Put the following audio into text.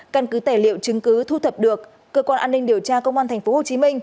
căn cứ tài liệu chứng cứ thu thập được cơ quan an ninh điều tra công an tp hcm